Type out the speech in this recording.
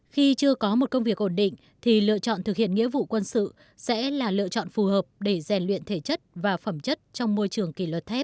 khi chưa có một công việc ổn định thì lựa chọn thực hiện nghĩa vụ quân sự sẽ là lựa chọn phù hợp để rèn luyện thể chất và phẩm chất trong môi trường kỷ luật th